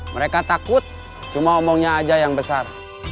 mereka takut cuma omongnya aja yang besar